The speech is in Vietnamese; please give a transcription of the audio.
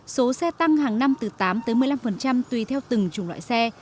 số xe tăng hàng năm từ tám tới một mươi năm tùy theo từng chủng loại xe